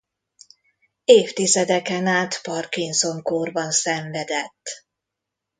Évtizedeken át Parkinson-kórban szenvedett.